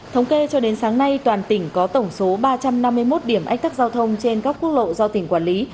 thống kê cho đến sáng nay toàn tỉnh có tổng số ba trăm năm mươi một điểm ách tắc giao thông trên các quốc lộ do tỉnh quản lý